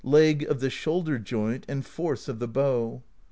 Leg of the Shoulder Joint, and Force of the Bow.